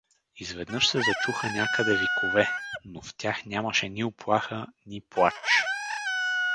Изведнъж се зачуха някъде викове, но в тях нямаше ни уплаха, ни плач.